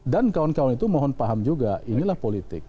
dan kawan kawan itu mohon paham juga inilah politik